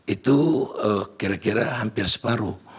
itu kira kira hampir separuh